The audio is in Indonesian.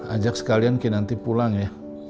ajak sekalian ki nanti pulang ya